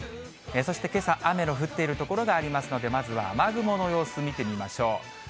そしてけさ、雨の降っている所がありますので、まずは雨雲の様子、見てみましょう。